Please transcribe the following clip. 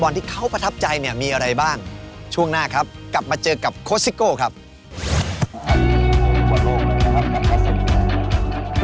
ตอนนี้ในวันนี้ชุมชาวนกฉีดพื้นใช่เมื่อกากต้องกดตรวจ